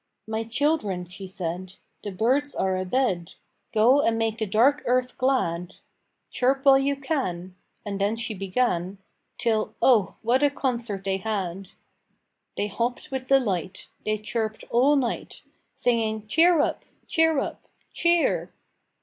"My children," she said, "The birds are abed: Go and make the dark earth glad! Chirp while you can!" And then she began, Till, oh, what a concert they had! They hopped with delight, They chirped all night, Singing, "Cheer up! cheer up! cheer!"